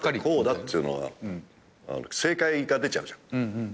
こうだっていうのは正解が出ちゃうじゃん。